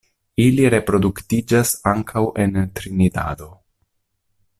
Ili reproduktiĝas ankaŭ en Trinidado.